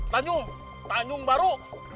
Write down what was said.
tanjung tanjung baru